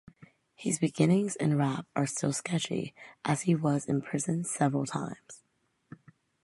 His beginnings in rap are still sketchy as he was imprisoned several times.